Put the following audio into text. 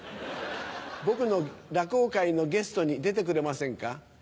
僕の落語会のゲストに出てくれませんか？